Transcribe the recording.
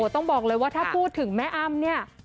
ต้องบอกเลยว่าถ้าพูดถึงแม่อ้ำเนี่ย